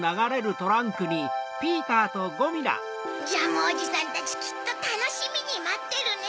ジャムおじさんたちきっとたのしみにまってるね。